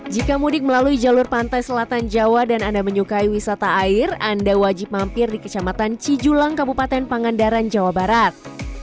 jika mudik melalui jalur pantai selatan jawa dan anda menyukai wisata air anda wajib mampir di kecamatan cijulang kabupaten pangandaran jawa barat